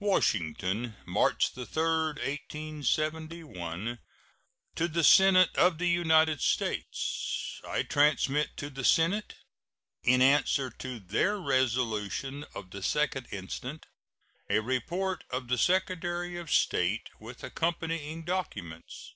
WASHINGTON, March 3, 1871. To the Senate of the United States: I transmit to the Senate, in answer to their resolution of the 2d instant, a report of the Secretary of State, with accompanying documents.